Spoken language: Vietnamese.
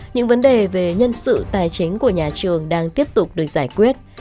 những vấn đề về nhân sự tài chính của nhà trường đang tiếp tục được giải quyết